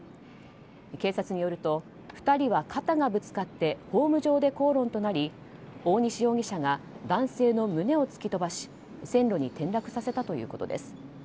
警察によると２人は肩がぶつかってホーム上で口論となり大西容疑者が男性の胸を突き飛ばし線路に転落させたということです。